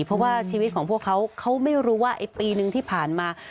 เพราะว่าชีวิตของพวกเขาเขาไม่รู้ว่าไอ้ปีนึงที่ผ่านมา